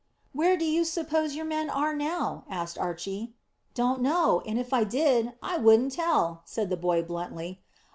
"Where do you suppose your men are now?" asked Archy. "Don't know, and if I did, I wouldn't tell," said the boy bluntly.